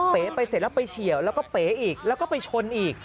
ไปเสร็จแล้วไปเฉียวแล้วก็เป๋อีกแล้วก็ไปชนอีก